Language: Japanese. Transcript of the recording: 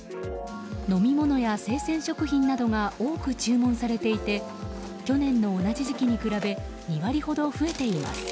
飲み物や生鮮食品などが多く注文されていて去年の同じ時期に比べ２割ほど増えています。